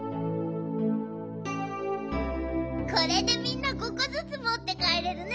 これでみんな５こずつもってかえれるね。